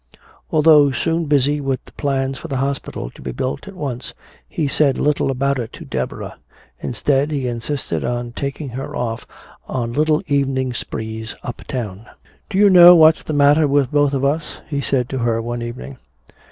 Although soon busy with the plans for the hospital, to be built at once, he said little about it to Deborah. Instead, he insisted on taking her off on little evening sprees uptown. "Do you know what's the matter with both of us?" he said to her one evening.